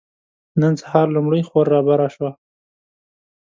نن سهار لومړۍ خور رابره شوه.